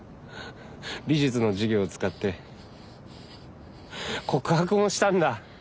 美術の授業を使って告白もしたんだ。